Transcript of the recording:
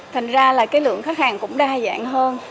thành ra là cái lượng khách hàng cũng đa dạng hơn